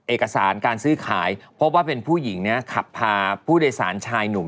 เอกสารการซื้อขายพบว่าเป็นผู้หญิงเนี่ยขับพาผู้โดยสารชายหนุ่ม